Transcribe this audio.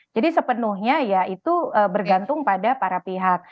jadi sepenuhnya ya itu bergantung pada para pihak